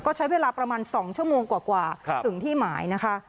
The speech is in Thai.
ก็ใช้เวลาประมาณ๒ชั่วโมงกว่าถึงที่หมายนะคะ